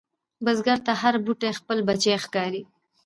بزګر ته هره بوټۍ خپل بچی ښکاري